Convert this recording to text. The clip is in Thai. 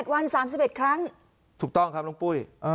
วัน๓๑ครั้งถูกต้องครับน้องปุ้ย